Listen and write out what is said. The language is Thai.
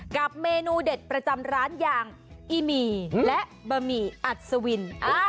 กับเมนูเด็ดประจำร้านอย่างอีหมี่และบะหมี่อัศวิน